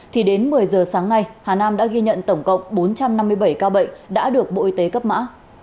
thì đến một mươi giờ sáng nay hà nam đã ghi nhận tổng cộng bốn trăm năm mươi bảy ca bệnh đã được bộ y tế cấp mã